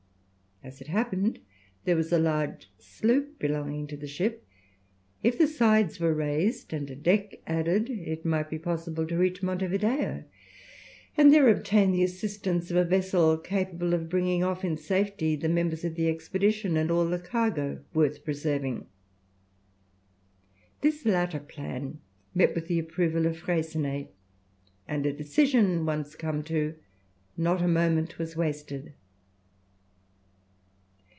As it happened, there was a large sloop belonging to the ship; if the sides were raised, and a deck added, it might be possible to reach Monte Video, and there obtain the assistance of a vessel capable of bringing off in safety the members of the expedition and all the cargo worth preserving. This latter plan met with the approval of Freycinet, and a decision once come to, not a moment was wasted.